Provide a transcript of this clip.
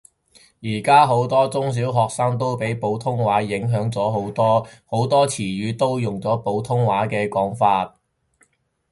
而家好多中小學生都俾普通話影響咗好多，好多詞語都用咗普通話嘅講法